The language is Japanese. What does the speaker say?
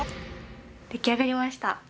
出来上がりました。